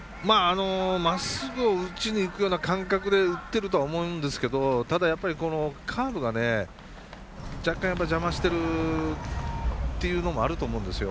まっすぐを打ちにいくような感覚で打っているとは思うんですけどただ、やっぱりカーブは若干、邪魔してるっていうのもあると思うんですよ。